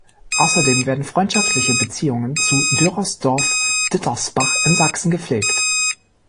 Außerdem werden freundschaftliche Beziehungen zu Dürrröhrsdorf-Dittersbach in Sachsen gepflegt.